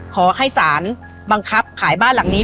ขอให้สารบังคับขายบ้านหลังนี้